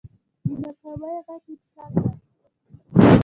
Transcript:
د ناکامۍ غږ انسان راويښوي